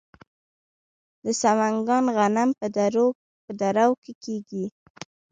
د سمنګان غنم په درو کې کیږي.